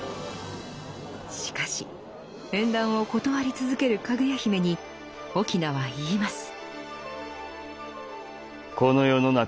しかし縁談を断り続けるかぐや姫に翁は言います。